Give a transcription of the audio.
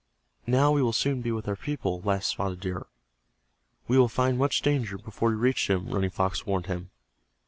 "Now we will soon be with our people," laughed Spotted Deer. "We will find much danger before we reach them," Running Fox warned him.